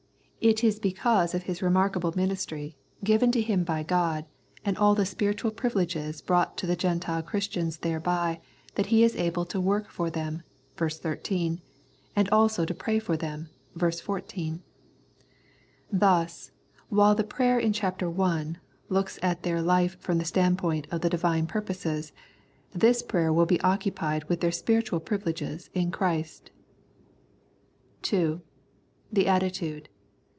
It is 112 Strength and Indwelling because of his remarkable ministry, given to him by God, and all the spiritual privileges brought to the Gentile Christians thereby that he is able to work for them (ver. 13), and also to pray for them (ver. 14). Thus, while the prayer in ch. i. looks at their life from the standpoint of the Divine purposes, this prayer will be occupied with their spiritual privileges in Christ. 2. The Attitude.